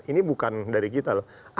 ini bukan dari kita loh